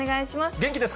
元気です。